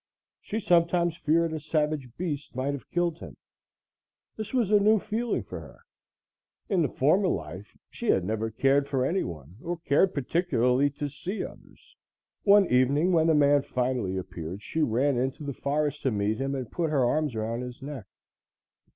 She sometimes feared a savage beast might have killed him. This was a new feeling for her. In the former life she had never cared for any one or cared particularly to see others. One evening when the man finally appeared, she ran into the forest to meet him and put her arms around his neck.